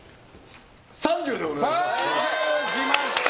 ３０でお願いします！